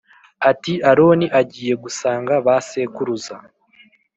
ati Aroni agiye gusanga ba sekuruza